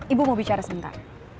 ibu mau bicara sebentar